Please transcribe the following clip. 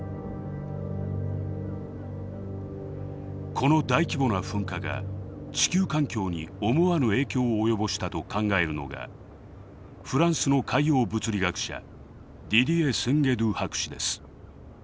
この大規模な噴火が地球環境に思わぬ影響を及ぼしたと考えるのがフランスの海洋物理学者ディディエ・スィンゲドゥ博士です。